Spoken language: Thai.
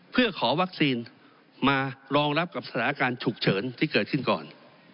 เพื่อขอวัคซีนมารองรับกับสถานการณ์ฉุกเฉินที่เกิดขึ้นก่อน